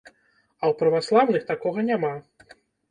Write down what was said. А ў праваслаўных такога няма.